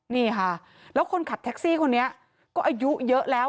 นี่ค่ะแล้วคนขับแท็กซี่คนนี้ก็อายุเยอะแล้ว